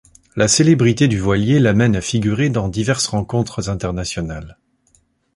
La célébrité du voilier l'amène à figurer dans diverses rencontres internationales.